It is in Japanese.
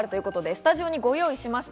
スタジオにご用意しました。